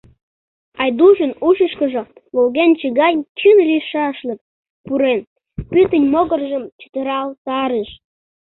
Айдушын ушышкыжо волгенче гай чын лийшашлык пурен, пӱтынь могыржым чытыралтарыш...